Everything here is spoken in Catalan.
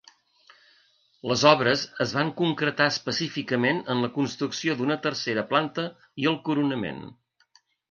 Les obres es van concretar específicament en la construcció d'una tercera planta i el coronament.